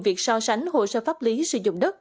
việc so sánh hồ sơ pháp lý sử dụng đất